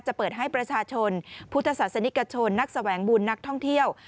เปิดให้ประชาชนพุทธศาสนิกชนนักแสวงบุญนักท่องเที่ยว